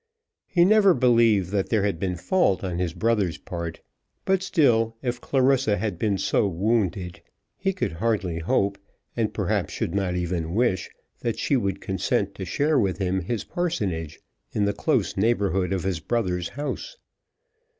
He never believed that there had been fault on his brother's part; but still, if Clarissa had been so wounded, he could hardly hope, and perhaps should not even wish, that she would consent to share with him his parsonage in the close neighbourhood of his brother's house.